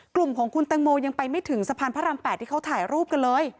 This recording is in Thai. กลุ่มของคุณแตงโมยังไปไม่ถึงสะพานพระราม๘ที่เขาถ่ายรูปกันเลย